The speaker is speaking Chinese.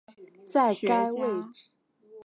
韩伯禄是一名法国耶稣会传教士和动物学家。